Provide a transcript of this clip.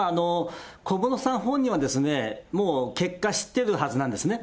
小室さん本人は、もう結果知ってるはずなんですね。